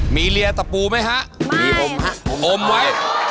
มีเรียตะปูไหมคะไม่ว่าคะมีโมมไว้